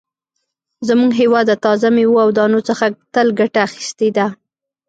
زموږ هېواد د تازه مېوو او دانو څخه تل ګټه اخیستې ده.